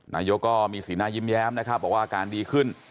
นายกก็มีสีหน้ายิ้มแย้มนะครับบอกว่าอาการดีขึ้น